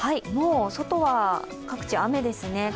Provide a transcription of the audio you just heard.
もう外は各地雨ですね。